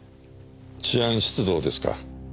治安出動ですか？